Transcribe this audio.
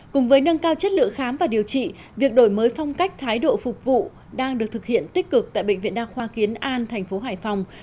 cùng với nâng cao chất lượng khám và điều trị việc đổi mới phong cách thái độ phục vụ đang được thực hiện tích cực tại bệnh viện đa khoa kiến an thành phố hải phòng